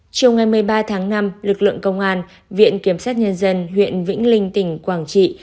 chiều ngày một mươi ba tháng năm lực lượng công an viện kiểm sát nhân dân huyện vĩnh linh tỉnh quảng trị